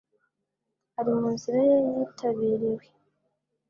Ari munzira ye yitabiriwe